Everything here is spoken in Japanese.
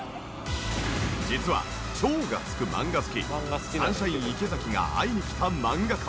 実は超がつく漫画好きサンシャイン池崎が会いに来た漫画家は。